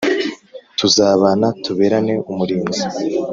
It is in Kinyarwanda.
tuzabana tuberane umurinzi